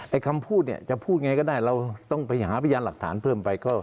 คำพูดเนี่ยจะพูดไงก็ได้เราต้องไปหาพยานหลักฐานเพิ่มไป